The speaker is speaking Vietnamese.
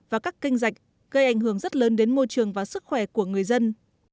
và các kênh dạch gây ảnh hưởng rất lớn đến môi trường và sức khỏe của người dân